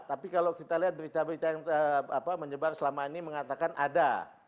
tapi kalau kita lihat berita berita yang menyebar selama ini mengatakan ada